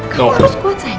kamu harus kuat sayang